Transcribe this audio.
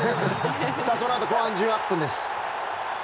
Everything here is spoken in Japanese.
そのあと後半１８分です。